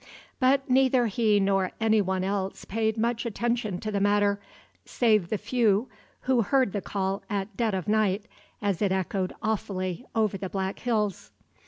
But neither he nor any one else paid much attention to the matter; save the few who heard the call at dead of night, as it echoed awfully over the black hills.